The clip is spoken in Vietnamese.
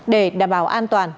để đảm bảo an toàn